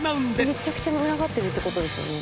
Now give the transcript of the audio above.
めちゃくちゃ群がってるってことですよね。